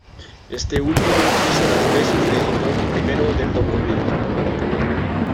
Éste último hizo las veces de editor primero del documento.